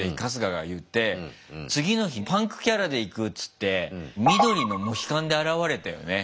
次の日パンクキャラでいくっつって緑のモヒカンで現れたよね。